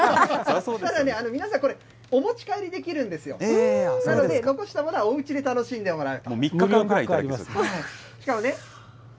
皆さん、これ、お持ち帰りできるんですよ、なので、残したものはおうちで楽しんでもらう。